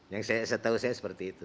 yang saya tahu saya seperti itu